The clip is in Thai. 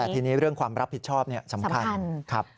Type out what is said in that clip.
แต่ทีนี้เรื่องความรับผิดชอบเนี่ยสำคัญ